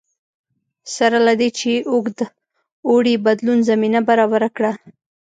سره له دې چې اوږد اوړي بدلون زمینه برابره کړه